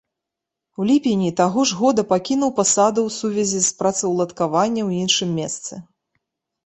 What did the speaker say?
У ліпені таго ж года пакінуў пасаду ў сувязі з працаўладкаваннем у іншым месцы.